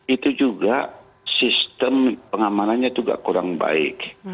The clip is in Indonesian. itu juga sistem pengamanannya itu tidak kurang baik